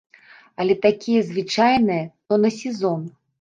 Але такія звычайныя, то на сезон.